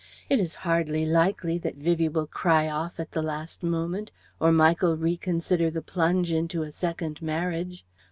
It is hardly likely that Vivie will cry off at the last moment, or Michael reconsider the plunge into a second marriage.